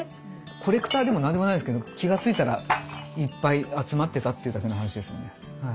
コレクターでも何でもないんですけど気が付いたらいっぱい集まってたっていうだけの話ですよね。